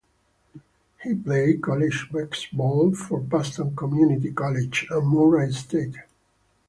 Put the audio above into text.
He played college basketball for Barton Community College and Murray State.